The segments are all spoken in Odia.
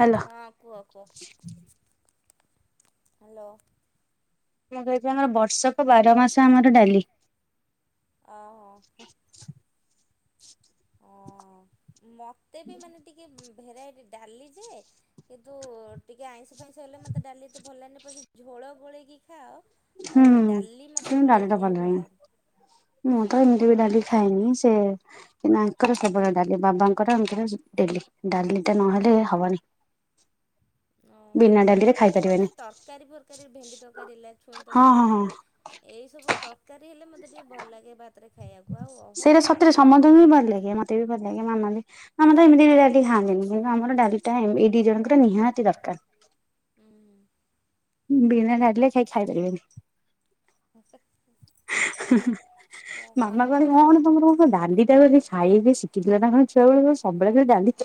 ହ୍ୟାଲୋ। ହଁ କୁହ କୁହ। ହ୍ୟାଲୋ। ମୁଁ କହୁଛିି ଆମର ବର୍ଷକ ବାର ମାସ ଆମର ଡାଲି। ଓ ହୋ। ହଁ ମୋତେ ବି ମାନେ ଟିକେ ଭେରାଇଟି ଡାଲି ଯେ କିନ୍ତୁ ଟିକେ ଆଇଁଷ ଫାଇଁସ ହେଲେ ମତେ ଡାଲି ଏତେ ଭଲ ଲାଗେନି, ପଛେ ଝୋଳ ଗୋଳେଇକି ଖାଅ ହୁଁ। ଆଉ ଡାଲି ମତେ କିନ୍ତୁ ଡାଲି ଗୋଳେଇ ଟା ଖାଇଆକୁ ଭଲ ଲାଗେ ଲାଗେନି। ମୁଁ ତ ଏମିତି ବି ହଁ। ଡାଲି ଖାଏନି ସେ ଆଙ୍କର ସବୁବେଳେ ଡାଲି ବାବାଙ୍କର ଆଙ୍କର ଡେଲି ଡାଲିଟା ନହେଲେ ହବନି। ଓ ବିନା ଆଉ ଡାଲିରେ ଖାଇ ଟିକେ ମତେ ପାରିବେନି ତର କାରୀ ଫରକାରୀ ଭେଣ୍ଡି ତରକାରୀ ହେଲା ଛୁଇଁ ହଁ ତରକାରୀ ହଁ ହେଲା ହଁ ଏଇସବୁ ତ ରକାରୀ ହେଲେ ମୋତେ ଟିକେ ଭଲ ଲାଗେ ଭାତରେ ଖାଇବାକୁ ଆଉ ଅହରହ ଡାଲି [unintelligible] ଏତେ ବି ଭଲ ଲାଗେ ମାମା ବି ଆମେ ତ ଏମିତି ଡାଲି ଖାନ୍ତିନି କିନ୍ତୁ ଆମ ଡାଲି ଟା ଏ ଦି ଜଣଙ୍କର ନିହାତି ଦରକାର। ହୁଁ। ବିନା ଡାଲିରେ କେହି ଖାଇପାରିବେନି। ମାମା [unintelligible] କଣ କରିବା ଆଉ କଣ। ଡାଲି ଟା [unintelligible] ଶିଖିଥିଲା ନା କଣ ଛୁଆବେଳୁ ସବୁବେଳେ ଡ଼ାଲି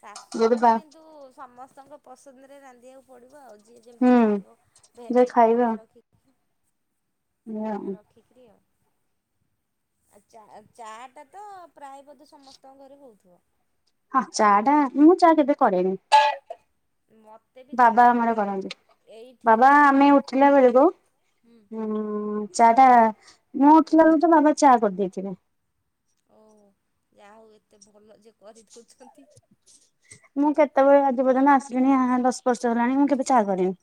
ଶାଶୁ ଘରେ କିନ୍ତୁ ସମସ୍ତଙ୍କ ପସନ୍ଦରେ ରାନ୍ଧିବାକୁ ପଡ଼ିବ ଆଉ ଯିଏ ଯେମିତି ହୁଁ ଖାଇବ ଯେ ଭେରାଇଟି ଖାଇବା ମନେ ରଖି ମନେ ଆଉ ରଖିକିରି ଆଉ। ଆଉ ଚା ଚାଟା ତ ପ୍ରାୟ ବୋଧେ ସମସ୍ତଙ୍କ ଘରେ ହଉଥିବ। ହଁ ଚା ଟା ମୁଁ ଚା କେବେ କରେନି। ମତେ ବି ଚା ବାବା ମୁଁ ଆମର କରନ୍ତି ବାବା ଏଇଠିକି ହୁଁ ଆମେ ଉଠିଲା ବେଳକୁ ହୁଁ ଚା ଟା ମୁଁ ଉଠିଲା ବେଳକୁ ତ ବାବା ଚା କରିଦେଇଥିବେ। ଓ ଯାହଉ ଏତେ ଭଲ ଯେ କରିଦଉଛନ୍ତି। ମୁଁ କେତେବେଳେ ଆଜି ପର୍ଯ୍ୟନ୍ତ ଆସିଲିଣି ଦଶ ବର୍ଷ ହେଲାଣି ମୁଁ କେବେ ଚାହା କରିନି।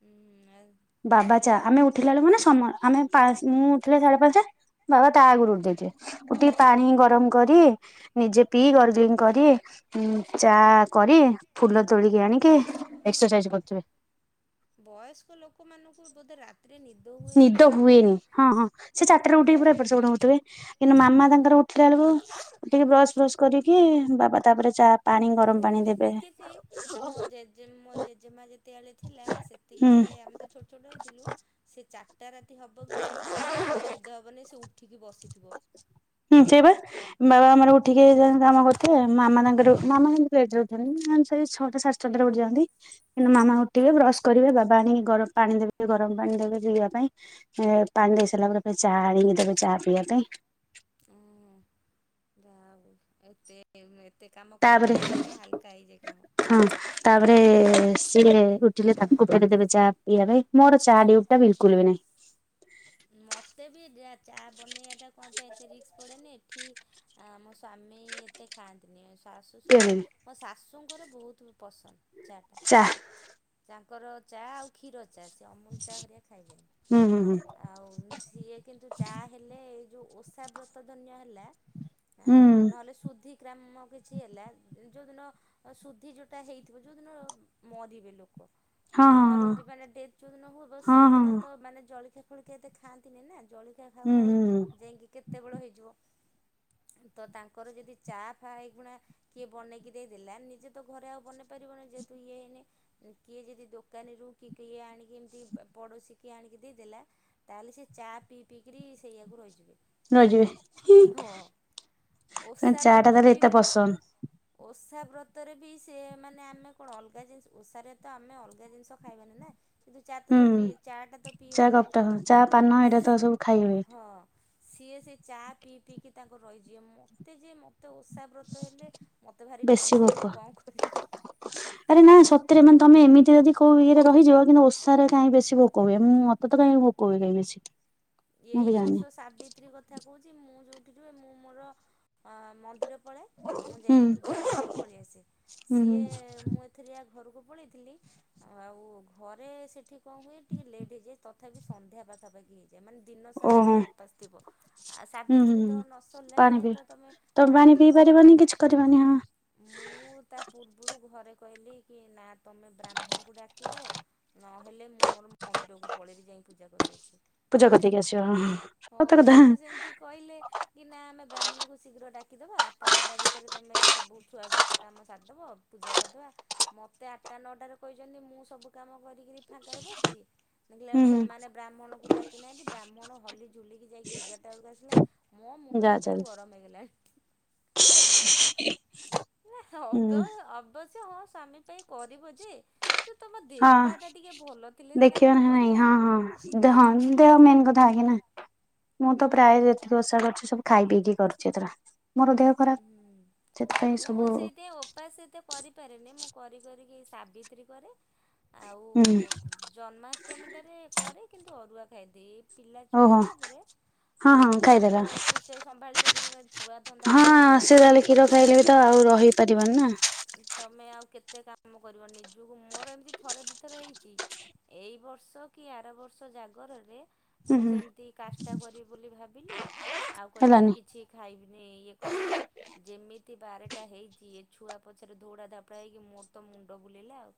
ହୁଁ ଆଉ ବାବା ଚା ଆମେ ଉଠିଲା ବେଳୁ ମାନେ ସମ ଆମେ ପା ମୁଁ ଉଠିଲା ସାଢେ ପାଞ୍ଚଟା ବାବା ତା ହୁଁ। ଆଗରୁୁ ଉଠି ଯାଇଥିବେ ଉଠିକି ହଉ। ପାଣି ଗରମ କରି ନିଜେ ପିଇ ଗର୍ଗଲିଙ୍ଗ କରି ଚା କରି ଫୁଲ ତୋଳିକି ଆଣିକି ଏକ୍ସରସାଇଜ୍ କରୁଥିବେ। ବୟସ୍କ ଲୋକମାନଙ୍କୁ ବୋଧେ ରାତିରେ ନିଦ ହୁଏନି ନିଦ ନା କଣ? ହୁଏନି ହଁ ହଁ ସେ ଚାରଟା ରୁ ବ ଉଠିକି ପୁରା ଏପଟ ସେପଟ ହଉଥିବେ। କିନ୍ତୁ ମାମା ତାଙ୍କର ଉଠିଲା ବେଳକୁ ଟିକେ ବ୍ରସ୍ ବ୍ରସ୍ କରିକି ବାବା ତାପରେ ଚା ପାଣି ଗରମ ପାଣି ଦେବେ। ଯେ ମୋ ଜେଜେମା ଯେତେବେଳେ ଥିଲା ସେତିକି ହୁଁ ବେଳେ ଆମେ ତ ଛୋଟ ଛୋଟ ହେଇଥିଲୁ ସେ ଚା [unintelligible] ରାତି ହେବ କି ନାହିଁ ତାକୁ ଆଉ ନିଦ ହେବନି ସେ ଉଠିକି ବସିଥିବ। ହୁଁ ସେ ବା। ବାବା ଆମର ଉଠିକି କାମ କରୁଥିବେ ମାମା ତାଙ୍କର [unintelligible] ଛଅଟା ସାଢ଼େ ଛଅ ଟା। [unintelligible] ରେ ଉଠି ଯାଆନ୍ତି। କିନ୍ତୁ ମାମା ଉଠିବେ ବ୍ରଶ କରିବେ ବାବା ଆଣି କି ଗରମ ପାଣି ଦେବେ ଗରମ ପାଣି ଦେବେ ପିଇବା ପାଇଁ। ଏ ପାଣି ଦେଇ ସାରିଲା ପରେ ଚା ଆଣିକି ଦେବେ ଚାହା ପିଇବା ପାଇଁ। ହଁ ଯାହାହଉ ଏତେ ଏତେ କାମ ତାପରେ କରିଦିଅନ୍ତି ସେଇଠି ହାଲକା ହେଇଯାଏ କାମ। ହଁ ତାପରେ ସିଏ ଉଠିଲେ ତାଙ୍କୁ ଫେରେ ଦେବେ ଚା ପିଇବା ପାଇଁ ମୋର ଚା ଡ୍ୟୁଟି ଟା ବିଲକୁଲ ବି ନାଇଁ। ମତେ ଭି ଦେ ଚାହା ବନାଇବା ଟା କଣ ପାଇଁ ଏତେ ରିସ୍କ୍ ପଡେନି ଏଠି ଆ ମୋ ସ୍ୱାମୀ ଏତେ ଖାଆନ୍ତିନି। ଶାଶୁ ପିଇବେନି ଶଶୁର ମୋ ଶାଶୁଙ୍କର ବହୁତ ପସନ୍ଦ ଚା ଟା। ତାଙ୍କର ଚା ଆଉ କ୍ଷୀର ଚା ସେ ଅମୁଲ ଚା ହରିଆ ଖାଇବେନି। ହୁଁ ହୁଁ ହୁଁ। ଆଉ ସିଏ କିନ୍ତୁ ଚା ହେଲେ ଏଇ ଯେଉଁ ଓଷା ବ୍ରତ ଧନ୍ୟ ହେଲା ଆ ହୁଁ ନହେଲେ ଶୁଦ୍ଧି କ୍ରାମ କିଛି ହେଲା ଯେଉଁଦିନ ସୁଧି ଯେଉଁଟା ହେଇଥିବ ଯେଉଁଦିନ ମରିବେ ଲୋକ। ହଁ ମରନ୍ତି ମାନେ ଡେଥ ଯୋଉଦିନ ହବ ହଁ ହଁ ହଁ ହଁ ହଁ ସେଇଦିନ ତ ମାନେ ଜଳଖିଆ ଫଳିଖିଆ ଏତେ ଖାଆନ୍ତିନି ନା। ଜଳି ଖିଆ ଖାଉ ହୁଁ ଖାଉ ହୁଁ ହୁଁ ଯାଇଁକି କେତେବେଳ ହେଇଯିବ। ତ ତାଙ୍କର ଯଦି ଚା ଫା ହେଇଗୁଣା କିଏ ବନେଇକି ଦେଇଦେଲା, ନିଜେ ତ ଘରେ ଆଉ ବନେଇ ପାରିବନି ଯେହେତୁ ଇଏ ହେଇନି। କିଏ ଯଦି ଦୋକାନୀରୁ କିଏ କିଏ ଆଣିକି ଏମିତି ପଡ଼ୋଶୀ କିଏ ଆଣିକି ଦେଇଦେଲା ତାହେଲେ ସେ ଚା ପିଇ ପିଇକିରି ସେଇୟାକୁ ରହିଯିବେ। ରହିଯିବେ ହଁ। ଚା ଓଷା ଟା ବ୍ରତ ତାହେଲେ ବି ଏତେ ପସନ୍ଦ ଓଷା ବ୍ରତରେ ବି ସିଏ ମାନେ ଆମେ କଣ ଅଲଗା ଜିନିଷ ଓଷାରେ ତ ଆମେ ଅଲଗା ଜିନିଷ ଖାଇବାନି ନା। କିନ୍ତୁ ଚା ଟା ହୁଁ ତ ପି ଚା ଟା ତ ପିଇ ଚା ହବ। କପଟା ହଁ ଚା, ପାନ ଏରା ତ ସବୁ ଖାଇ ହୁଏ। ହଁ ସିଏ ସେ ଚା ପିଇ ପିଇକି ତାଙ୍କୁ ରହିଯିବେ। ମୋତେ ଯିଏ ମ ତୋ ଓଷାବ୍ରତ ହେଲେ ମୋତେ ଭାରି ବେଶୀ ଭୋକ ଟେନସନ୍ ମୁଁ କଣ କରିବି। ଆରେ ନା ସତରେ ମାନେ ତମେ ଏମିତି ଯଦି କୋଉ ଇଏ ରେ ରହିଯିବ। କିନ୍ତୁ ଓଷାରେ କାଇଁ ବେଶୀ ଭୋକ ହୁଏ। ମୁଁ ମତେ କାଇଁ ଭୋକ ହୁଏ କାଇଁ ବେଶୀ। ମୁଁ ଏଇ ବି ଜାଣିନି ବର୍ଷ ସାବିତ୍ରୀ କଥା କହୁଚି ମୁଁ ଯୋଉଠି ରୁହେ ମୁଁ ମୋର ଅ ମନ୍ଦିର ପଳାଏ। ମୁଁ ହୁଁ ଯାଇକି ପୂଜା କରିଦେଇକି ପଳେଇ ଆସେ। ହୁଁ ହୁଁ ସିଏ ମୁଁ ଥରିଆ ଘରକୁ ପଳେଇଥିଲି ଆଉ ଘରେ ସେଠି କଣ ହୁଏ ଟିକେ ଲେଟ୍ ହେଇଯାଏ। ତଥାପି ସନ୍ଧ୍ୟା ପାଖାପାଖି ହେଇ ଏ ମାନେ ଦିନ ସାରା ଓହୋ ତମେ ଉପାସ ଥିବ। ଆ ହୁଁ ହୁଁ ସାବିତ୍ରୀ ତ ହୁଁ ନ ସରିଲା ପାଣି ଯାଏ ପିଇ ତ ତମେ ତମେ ପାଣି ପିଇ ପାରିବନି କିଛି କରିବନି ହଁ। ମୁଁ ତା ପୂର୍ବରୁ ଘରେ କହିଲି କି ନା ତମେ ବ୍ରାହ୍ମଣକୁ ଡାକିବ ନହେଲେ ମୁଁ ମୋର ମନ୍ଦିରକୁ ପଳେଇବି ଯାଇ ପୂଜା କରିଦେଇ ଆସିବି। ପୂଜା କରିଦେଇ କି ଆସିବ। ହଁ ହଁ ସତକଥା। ସେଠୁ ସେମିତି କହିଲେ କି ନା ଆମେ ବ୍ରାହ୍ମଣକୁ ଶୀଘ୍ର ଡାକିଦବା ଆଠଟା ନଅଟା ଭିତରେ ତମେ ସବୁ ଛୁଆ ବି ପୂଜା କାମ ସାରିଦବ ପୂଜା କରିଦବା ମୋତେ ଆଠଟା ନଅଟାରେ କହିଚନ୍ତି ମୁଁ ସବୁ କାମ କରିକିରି ଫାଙ୍କାରେ ବସିଚି। ଦେଖିଲା ହୁଁ ବେଳକୁ ସେମାନେ ବ୍ରାହ୍ମଣକୁ ଡାକିନାହାନ୍ତି ବ୍ରାହ୍ମଣ ହଲି ଝୁଲିକି ଯାଇକି ଏଗାରଟା ବେଳକୁ ଆସିଲା। ମୋ ହୁଁ ମୁଣ୍ଡ ଯା ସେତେବେଳେ କୁ ଚାଲଛି ଗରମ ହେଇଗଲାଣି। ହୁଁ ଅବ୍ୟ ଅବଶ୍ୟ ହଁ ସ୍ୱାମୀ ପାଇଁ କରିବ ଯେ ସେ ତମ ଦେହ ହଁ ପା ଟା ଟିକେ ଭଲ ଥିଲେ ସିନା ତମେ କରିବ। ଦେହଁ ଦେହ ମେନ୍ କଥା ଆଗେ ନା। ମୁଁ ତ ପ୍ରାୟ ଯେତିକି ଓଷା କରୁଚି ସବୁ ଖାଇ ପିକି କରୁଚି ଏଥର। ମୋର ଦେହ ଖରାପ ହୁଁ, ସେଥିପାଇଁ ମୁଁ ସବୁ ସେଇଥିପାଇଁ ଓପାସ ଏତେ କରିପାରେନି। ମୁଁ କରି କରିିକି ଏଇ ସାବିତ୍ରୀ କରେ। ଆଉ ହୁଁ ଜନ୍ମାଷ୍ଟମୀ ଟାରେ କରେ କିନ୍ତୁ ଅରୁଆ ଖାଇଦିଏ। ପିଲା ଛୁଆ ଓହୋ ହେଲା ପରେ ହଁ ହଁ ଆଉ ତମେ ତ ଖାଇଦେଲା ଏତେ ସେ ସମ୍ଭାଳି ପାରିବନୁ ଛୁଆ ତ ହଁ ସେ ଯାହେଲେ କ୍ଷୀର ଖାଇଲେ ବି ତ ଆଉ ରହିପାରିବାନି ନା। ତମେ ଆଉ କେତେ କାମ କରିବ। ନିଜକୁ ମୋର ଏମିତି ଥରେ ଦି ଥର ହେଇଚି। ଏଇ ବର୍ଷ କି ଆର ବର୍ଷ ଜାଗରରେ ହୁଁ ମୁଁ ହୁଁ ସେମତି କାଷ୍ଟା କରିବି ବୋଲି ଭାବିଲି ଆଉ କହିଲି ହେଲାନି କିଛି ଖାଇବିନି ଇଏ କରିବିନି। ଯେମିତି ବାରଟା ହେଇଚି ଏ ଛୁଆ ପଛରେ ଧଉଡା ଧାପଡା ହେଇକି ମୋର ତ ମୁଣ୍ଡ ବୁଲେଇଲା ଆଉ।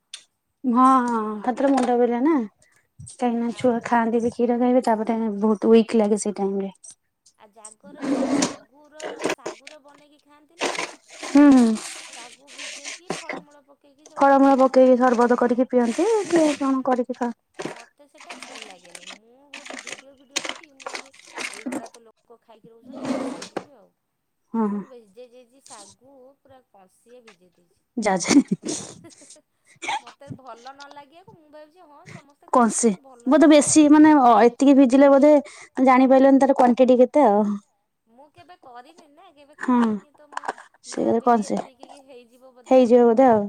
ହଁ ହଁ ହେଥୀରେ ମୁଣ୍ଡ ବୁଲାଏ ନା। କାହିଁକି ନା ଛୁଆ ଆଉ ଖାଆନ୍ତି ବି। କ୍ଷୀର ଖାଇବେ। ତାପରେ ବହୁତ ୱିକ୍ ଲାଗେ ସେ ଟାଇମ୍ ରେ। ଆଉ ଜାଗରରେ ଗୋଟେ ଶାଗୁର ଶାଗୁର ବନେଇକି ଖାଆନ୍ତିନି କି? ହୁଁ ହୁଁ। ଶାଗୁ ଭିଜେଇକି ଫଳମୂଳ ପ ଫଳମୂଳ ପକେଇକି ସରବତ କରିକି ପିଅନ୍ତି। ସେ କଣ କରିକି ଖା ମତେ ସେଟା ଭଲ ଲାଗେନି। ମୁଁ ଗୋଟେ ଭିଡିଓ ଫିଡିଓ ଦେଖି ମୁଁ କହିଲି ଏଇଗୁଡା ତ ଲୋକ ଖାଇକି ରହୁଛନ୍ତି ମୁଁ ରହିଯିବି ଆଉ ହଁ ମୁଁ ହଁ ଭିଜେଇ ଦେଇଛି ଶାଗୁ ପୁରା କଷିଏ ଭିଜେଇ ଦେଇଛି ଯାଉଛି ହ ମୋତେ ଭଲ ନ ଲାଗିବାକୁ ମୁଁ ଭାବିଛି ହଁ ସମସ୍ତେ ଖାଉଛନ୍ତି କଂସେ ଗୋଟେ ଭଲ ବୋଧେ ଥିବ ବେଶୀ ଆଉ। ମାନେ ଏତିକି ଭିଜିଲେ ବୋଧେ ଜାଣି ପାରିଲନି ତାର କ୍ଵାଣ୍ଟି କେତେ ଆଉ ମୁଁ କେବେ କରିନି ନା କେବେ ହଁ ଖାଇନି ତ ମୁଁ ସେ ଭାବିଲି କଂସେ ଏତିକି ହେଇଯିବ ବ ହେଇଯିବ ବୋଧେ ଆଉ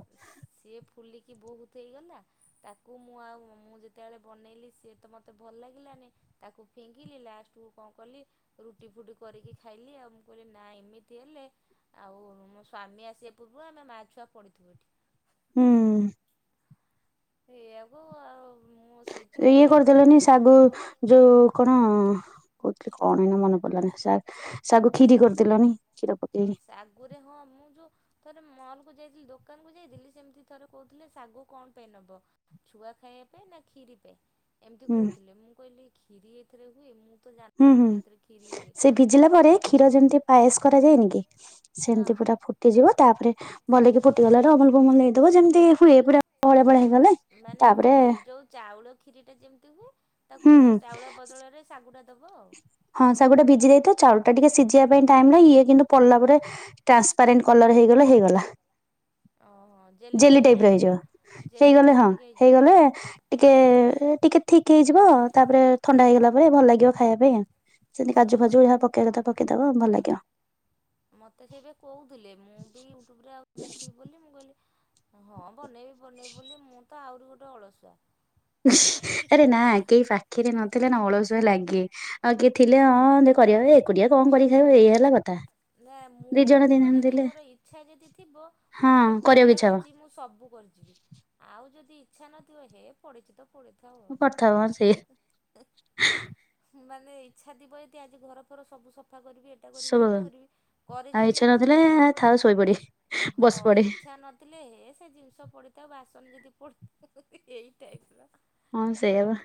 ସିଏ ଫୁଲିକି ବହୁତ ହେଇଗଲା ତାକୁ ମୁଁ ଆଉ ମୁଁ ଯେତେବେଳେ ବନେଇଲି ସିଏ ତ ମୋତେ ଭଲ ଲାଗିଲାନି ତାକୁ ଫିଙ୍ଗିଲି ଲାଷ୍ଟକୁ କଣ କଲି ରୁଟି ଫୁଟି କରିକି ଖାଇଲି ଆଉ ମୁଁ କହିଲି ନା ଏମିତି ହେଲେ ଆଉ ମୋ ସ୍ୱାମୀ ଆସିବା ପୂର୍ବରୁ ଆମେ ମାଆଛୁଆ ପଡ଼ିଥିବୁ ଏଠି। ହୁଁ ସେଇଆକୁ ଆଉ ମୁଁ ସେଇଥିପାଇଁ ଇଏ ଆଉ ଯେତେ କରିଦେଲେଣିି ସାଗୁ ଯୋଉ କଣ କଉଥିଲ କଣଇନା ମନେ ପଡିଲାନି ଶାଗ ସାଗୁ କ୍ଷୀରି କରିଦେଲନି କ୍ଷୀର ପକେଇକି। ତା ଆଗରେ ହଁ ମୁଁ ଯେଉଁ ଥରେ ମଲ କୁ ଯାଇଥିଲି ଦୋକାନ କୁ ଯାଇଥିଲି ସେମିତି ଥରେ କହୁଥିଲେ ଶାଗ କଣ ପାଇଁ ନବ। ଛୁଆ ଖାଇବା ପାଇଁ ଖିରି ପାଇଁ ଏମିତି ହୁଁ କହୁଥିଲେ ମୁଁ କହିଲି କ୍ଷୀରି ଏଥିରେ ହୁଏ ମୁଁ ତ ହୁଁ ହୁଁ ଜାଣିନଥିଲି ଏଥିରେ କ୍ଷୀରି ହୁଏ। ସେ ଭିଜିଲା ପରେ କ୍ଷୀର ଯେମିତି ପାଏସ କରାଯାଏନି କି ହଁ। ସେମତି ପୁରା ଫୁ ଫୁଟିଯିବ ତାପରେ ଭଲେଇକି ଫୁଟିଗଲା ରୁ ଅମୁଲ ଫମୁଲ ନେଇଦେବ ଯେମିତି ହୁଏ ପୁରା ବହଳିଆ ବହଳିଆ ହେଇଗଲେ ମାନେ ତାପରେ ଯୋଉ ଚାଉଳ କ୍ଷିରି ଟା ଯେମିତି ହୁଏ ହୁଁ ତାକୁ ହୁଁ ଚାଉଳ ବଦଳରେ ଶାଗୁଟା ଦବ ଆଉ। ହଁ ସେ ଗୋଟେ ଭିଜି ଦେଇଥିବ ଚାଉଳ ଟା ଟିକେ ସିଝିବା ପାଇଁ ଟାଇମ ଲାଗ ଇଏ କିନ୍ତୁ ପଡ଼ିଲା ପରେ ଟ୍ରାନ୍ସପାରେଣ୍ଟ କଲର ହେଇଗଲା ହେଇଗଲା। ଓହୋ ଜେଲି ଜେଲିଟା ଟାଇପ ର ଏଇ ହେଇଯିବ ପୁରା ଜେଲି ହେଇଗଲେ ହଁ ଭଳିଆ ଟିକେ ହେଇଯିବ ହେଇଗଲେ ଆଉ ଟିକେ ଟିକେ ଠିକ୍ ହେଇଯିବ ତାପରେ ଥଣ୍ଡା ହେଇଗଲା ପରେ ଭଲ ଲାଗିବ ଖାଇବା ପାଇଁ। ସେମିତି କାଜୁ ଓହୋ। ଫାଜୁ ଯାହା ପକେଇବା କଥା ପକେଇଦବ ଭଲ ଲାଗିବ। ମତେ ସେବେ କହୁଥିଲେ ମୁଁ ବି ୟୁଟ୍ୟୁବ ରେ ଆଉ ଦେଖିବି ବୋଲି ମୁଁ କହିଲି। ହଁ ବନେଇବି ବନେଇି ବୋଲି ମୁଁ ତ ଆହୁରି ଗୋଟେ ଅଳସୁଆ। ଆରେ ନା କେହି ଫା ପାଖରେ ନଥିଲେ ନା ଅଳସୁଆ ଲାଗେ ଆଉ କିଏ ଥିଲେ ହଁ ଯେ କରିବା ଏକୁଟିଆ କଣ କରି ଖାଇବା ଏଇ ହେଲା କ ନା ମୁଡ ଥିବ ଯଦି ମୋର ଇଚ୍ଛା ଯଦି ଥିବ ହଁ ଏଇଟା କରିବାକୁ ଇଚ୍ଛା ବନେଇବାର ହବ ଅଛି ମୁଁ ସବୁ କରିଯିବି ଆଉ ଯଦି ଇଚ୍ଛା ନଥିବ ହେ ପଢିଛି ତ ପଢି ଥାଉ ଉ କରିଥାଉ ହଁ ସେଇ ଏଁ ହୁଁ ମାନେ ଇଚ୍ଛା ଥିବ ଆଦି ଆଜି ଘର ଫର ସବୁ ସଫା କରିବି ଏଟା କରିବି ସେ ସବୁ ଏଟା କରିବି କରି ଆଉ ଯିବି ଇଚ୍ଛା ନଥିଲେ ଯେମିତି ଥାଉ ଶୋଇପଡେ ହଁ ବସି ପଡେ ଇଚ୍ଛା ନ ଥିଲେ ହେ ସେ ଜିନିଷ ପଡିଥାଉ ବାସନ ଯଦି ପଡୁ ଏୟୀ ଟାଇପ ର ହଁ ସେଇଆ ଗ ବା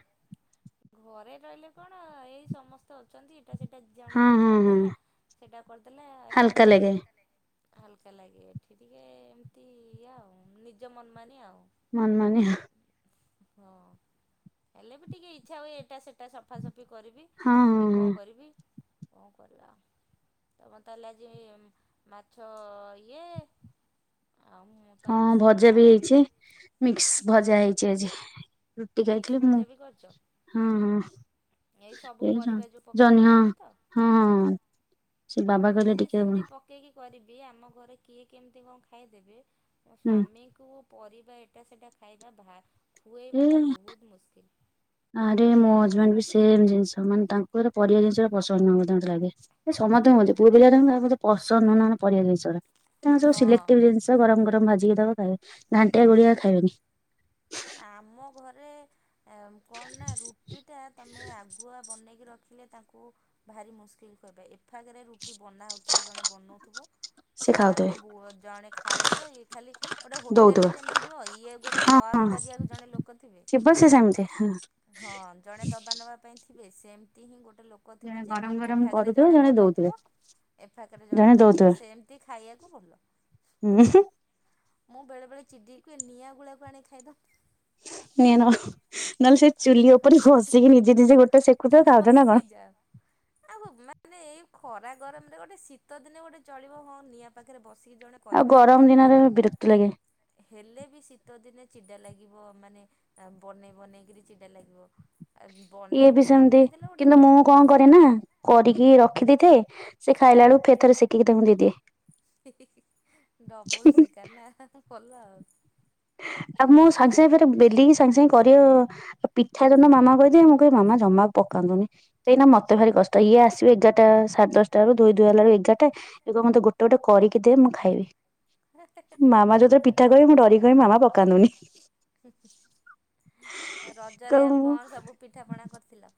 ଘରେ ରହିଲେ କଣ ଏଇ ସମସ୍ତେ ଅଛନ୍ତି ତ ସେଟା ଜଣେ ହଁ କିଏ ହଁ ହଁ କରିଦେଲା ସେଟା କରିଦେଲା ହାଲକା ହେଇଯାଏ। ଲାଗେ ହାଲକା ଲାଗେ ଏଠି ଟିକେ ଏମିତି ୟେ ଆଉ ନିଜ ମନମାନି ଆଉ ମନମାନି ହଁ ହେଲେ ବି ଟିକେ ଇଚ୍ଛା ହୁଏ ଏଟା ସେଟା ସଫାସଫି କରିବି ହଁ କି ଙ୍କ ହଁ କରିବି ଙ୍କ କରିବା ତମର ତାହେଲେ ଆଜି ମାଛ ଇଏ ଆଉ ମୁଁ ତ ହଁ ଆଜି ସାଧା ଭଜାବି ଅନ୍ ହେଇଛି ମିକ୍ସ ଭଜା ହେଇଛି ଆଜି। ରୁଟି ମିକ୍ସ ଖାଇଥିଲି ମୁଁ ଭଜା ବି କରିଚ ହଁ ହ ସବୁ ଏଇ ଜ ପରିବା ଯୋଉ ପକେଇକି ଜହ୍ନି ହଁ କରନ୍ତି ତ? ହଁଁ। ସେ ବାବା କରେ ଟିକେ ଭ କେଇକି କରିଦିଏ ଆମ ଘରେ କିଏ କେମିତି କ ଖାଇଦେବେ ମୋ ହୁଁ ସ୍ଵାମୀ କୁ କୁ ପରିବା ଏଟା ସେଟା ଖାଇବା ଭା ଏ ଖୁଆଇବାଟା ବହୁତ ମୁସ୍କିଲ୍। ଆରେ ମୋ ହଜବାଣ୍ଡ ବି ସେମ ଜିନିଷ ମାନେ ଟାଙ୍କୁ ଏରା ପରିବା ଜିନିଷ ପସନ୍ଦ ନୁଏ ମତେ ଟେ ଲାଗେ। ଏ ସମସ୍ତେ ହୁଅନ୍ତି ପୁଅ ପିଲାଙ୍କ ରନା ପସନ୍ଦ ନୁହେଁ ନା ପରିବା ଜିନିଷଟା ତାଙ୍କ ସବୁ ହଁ ସେଲେକ୍ଟିବ ଜିନିଷ ତାଙ୍କୁ ଗରମ ଗରମ ଭାଜିକି ଦବ ଖାଇବେ ଘାଣ୍ଟିଆ ଗୁଳିଆ ଖାଇବେନି। ଆମ ଘରେ ଏମ୍ କଣ ନା ରୁଟିଟା ତମେ ଆଗୁଆ ବନେଇକି ରଖିଲେ ତାଙ୍କୁ ଭାରି ମୁସ୍କିଲକ କବେ ଏଫାକରେ ରୁଟି ବନାହେଉଥିବ ଜଣେ ବନଉଥିବ ସେ ଖାଉଥିବେ ସେଫାକରେ ବୁଅ ଜଣେ ଖାଉଥିବ ଇଏ ଖାଲି ଗୋଟେ ହୋଟେଲ ଦଉଥିବେ ଯେମିତି ଦୁଅ ଇଏ ଗୋଟେ ହଁ ସର୍ଭ ହଁ କରିବାକୁ ଜଣେ ଲୋକ ଥିବେ। ଥିବ ସେ ସେମିତି ହଁ। ହଁ ଜଣେ ଦବା ନବା ପାଇଁ ଥିବେ ସେମତି ହିଁ ଗୋଟେ ଲୋ ଜଣେ କୋଥିବ ଯେ ଗରମ ଗରମ ଏଫାକରେ କରୁଥିବେ ଜଣେ ଦଉଥିବେ ବନଉଥିବ ଏଫାକରେ ଜଣେ ଦଉଥିବ ସେମତି ଖାଇବାକୁ ଭଲ। ଉ ହୁଁ ମ୍। ମୁଁ ବେଳେବେଳେ ଚିଡ଼ିକି କୁଏ ନିଆଁ ଗୁଳା କୁ ଆଣିକି ଖାଇଦ ନିଆଁ ନ ନହେଲେ ସେ ଚୁଲି ଉପରେ ଭଷିକି ନିଜେ ନିଜେ ଗୋଟେ ସେକୁ ଥାଅ ଖାଉଥାଅ ନା କଣ? ବସିଯାଉ। ଆଉ କଣ ମାନେ ଏଇ ଖରା ଗରମରେ ଗୋଟେ ଶୀତ ଦିନ ଗୋଟେ ଚଳିବ ହଁ ନିଆଁ ପାଖରେ ବସି ତିକୀ ଜଣେ ଆଉ ଗରମ କରିପାରିବ ଦିନରେ ହେଲ୍ ବିରକ୍ତି ଲାଗେ ହେଲେ ବି ଶୀତ ଦିନେ ଚିଡା ଲାଗି ଥିବ ମାନେ ଆ ବନେଇ ବନେଇକରି ଚିଡା ଲାଗିବ। ଆ ଇଏ ବି ବନେଇକି ସେମିତି ରଖିଦେଲେ ଗୋଟେ କିନ୍ତୁ ମୁଁ ଚଳିବ। କଣ କରେ ନା କରିକି ରଖିଦେଇଥାଏ ସେ ଖାଇଲା ବେଳକୁ ଫେରେ ଥରେ ସେକିକି ତାଙ୍କୁ ଦେଇଦିଏ। ଇ ହି ହି ଡବଲ ସେକା ନା ହା ହା ଭଲ ଆଉ। ଆଉ ମୁଁ ସାଙ୍ଗେ ସାଙ୍ଗେ ଫେରେ ବେଲିକି ସାଙ୍ଗେ ସାଙ୍ଗେ କରିଓ ପିଠା ଯୌନ ମାମା ଭୋଜି ମୁଁ କହେ ମାମା ଜମା ପ କାନ୍ଦୁନି ଏଇନା ମତେ ଭାରି କଷ୍ଟ ଇଏ ଆସିବେ ଏଗାରଟା ସାଢେ ଦଶଟା ରୁ ଧଇ ଧୁଆ ହେଲାବେଳକୁ ଏଗାରଟା ଏ କହିବ ମତେ ଗୋଟେ ଗୋଟେ କରିକି ଦେ ମୁଁ ଖାଇବି ମାମା ଯେତେବେଳେ ପିଠା କରି ମୁଁ ଡରି ହୁଁ ହୁଁ ଆ ରଜରେ କହିବୁ ଆଉ କଣ ସବୁ ପିଠାପଣା କରିଥିଲ?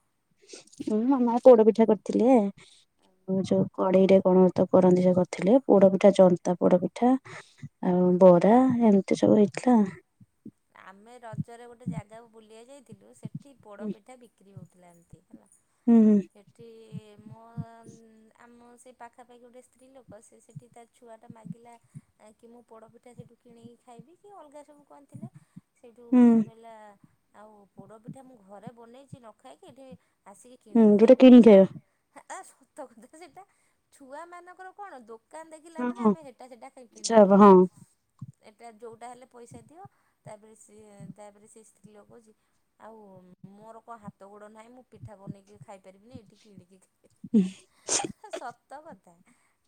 ଉ ମାମା ପୋଡପିଠା କରିଥିଲେ ଉ ଯୋଉ କଢେଇରେ କଣ ତ କରନ୍ତି ଯୋଉ କରିଥିଲେ ପୋଡପିଠା ଜନ୍ତା ପୋଡପିଠା ଆଉ ବରା ଏମତି ସବୁ ହେଇଥିଲା। ଆମେ ରଜରେ ଗୋଟେ ଜାଗାକୁ ବୁଲିଆ ଯାଇଥିଲୁ ସେଠି ପୋଡପିଠା ବିକ କ୍ରି ହଉଥିଲା ଏମିତି ହେଲା। ହୁଁ ହୁଁ। ଏଠି ମୋ ଆମ ସେ ପାଖାପାଖି ଗୋଟେ ସ୍ତ୍ରୀ ଲୋକ ସେ ସେଠି ତା ଛୁଆଟା ମାଗିଲା କି ମୁଁ ପୋଡ଼ପିଠା ସେଇଠୁ କିଣିକି ଖାଇବି କି ଅଲଗା ସବୁ କଣ ଥିଲା। ସେଇଠୁ ହୁଁ ସେ କହିଲା ଆଉ ପୋଡ଼ପିଠା ମୁଁ ଘରେ ବନେଇଚି ନ ଖାଇକି ଏଠି ଆସିକି ହୁଁ କିଣିକି ଯୋଉଟା ଖାଇବୁ ସେଠି କିଣିକି ମା ଖାଇବା ହା ଆ ସତ କଥା ସେଟା ଛୁଆ ମାନଙ୍କର କଣ ଦୋ କାନ ଦେଖିଲା ହଁ ମାନେ ହଁ ଆମେ ହେଁଟା ସେଟା ଆଚ୍ଛା କିଣିକି ବାବା ଖାଇବୁ ହଁ ଏଟା ଯୋଉଟା ହେଲେ ପଇସା ଦିିଅ ତାପରେ ସିଏ ତାପରେ ସେ ସ୍ତ୍ରୀ ଲୋକ କହୁଚି ଆଉ ମୋର କଣ ହାତ ଗୋଡ ନାହିଁ ମୁଁ ପିଠା ବନେଇକି ଖାଇ ପାରିବିନି ଏଇଠି କିଣିକି ଖା ଉଁ। ସତ କଥା।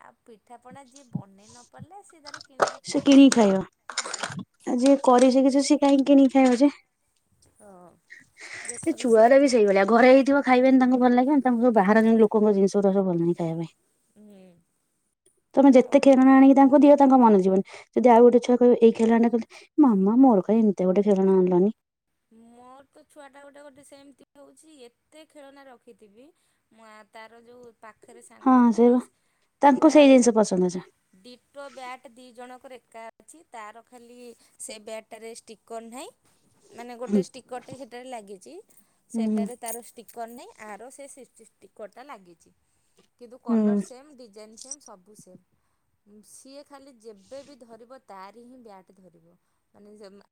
ଆଉ ପିଠାପଣା ଯିଏ ବନେଇ ନ ପାରିଲା ସେ ତାର କିଣିକି ସେ ଖାଇବ। କିଣିକି ଖାଇବା ଆଉ ଯିଏ କରି ଶିଖିଛି ସେ କାହିଁକି ଖାଇବ ଯେ? ହଁ। ଯିଏ ଏଇ କରି ଛୁଆରା ବି ଶିଖିଛି ସେଇଭଳିଆ ଘରେ ହେଇଥିବ ଖାଇବେନି ତାଙ୍କୁ ଭଲ ଲାଗିବନି ତାଙ୍କୁ ସବୁ ବାହାର ଯାଇଁ ଲୋକଙ୍କ ଜିନିଷଉରା ସବୁ ଭଲଲାଗେ ଖାଇବା ପାଇଁ। ହୁଁ। ତମେ ଆଉ ଯେତେ ଭେ ଖେଳଣା ଆଣିକି ତାଙ୍କୁ ଦିଅ ତାଙ୍କ ମନ ଯିବନି। ଯଦି ଆଉ ଗଟେ ଛୁଆ କହିବ ଏଇ ଖେଳନାଟେ ଖେଳତେ ମାମା ମୋର କାଇଁ ଏମିତିଆ ଗୋଟେ ଖେଳଣା ଆଣିଲନି? ମୋର ତ ଛୁଆଟା ଗୋଟେ ଗୋଟେ ସେମତି ହୋଉଛି ଏତେ ଖେଳନା ରଖିଥିବି ମୁଁ ଆ ତାର ଯୋଉ ପାଖରେ ସାଙ୍ଗ ହଁ ଗୋଟେ ସେଇବା ତାଙ୍କୁ ପୁରା ସେଇ ଜିନିଷ ପସନ୍ଦ ଡିଟୋ ଆଚ୍ଛା ଡିଟୋ ବ୍ୟାଟ୍ ଦିଇ ଜଣଙ୍କର ଏକା ଅଛି ତାର ଖାଲି ସେ ବ୍ୟାଟଟାରେ ଷ୍ଟିକର୍ ନାହିଁ ମାନେ ଗୋଟେ ହୁଁ ଷ୍ଟିକରଟେ ସେଟାରେ ଲାଗିଚି ହୁଁ ସେଟାରେ ତାର ଷ୍ଟିକର୍ ନାଇଁ ଆର ସେ ସେ ସି ସି ଷ୍ଟିକରଟା ଲାଗିଚି। କିନ୍ତୁ ହୁଁ। କଲର୍ ସେମ୍ ଡିଜାଇନ୍ ସେମ୍ ସବୁ ସେମ୍। ଉଁ ସିଏ ଖାଲି ଯେବେବି ଧରିବ ତାରି ହିଁ ବ୍ୟାଟ୍ ଧରିବ ମାନେ ଯମା